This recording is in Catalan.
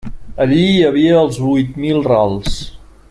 Allí hi havia els huit mil rals.